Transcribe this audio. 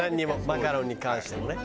マカロンに関してもね。